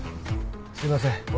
すいません。